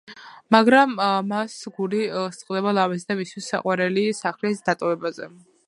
მაგრამ მას გული სწყდება ლამაზი და მისთვის საყვარელი სახლის დატოვებაზე.